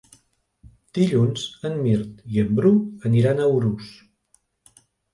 Dilluns en Mirt i en Bru aniran a Urús.